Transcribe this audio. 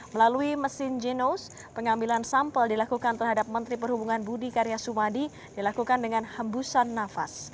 melalui mesin genos pengambilan sampel dilakukan terhadap menteri perhubungan budi karya sumadi dilakukan dengan hembusan nafas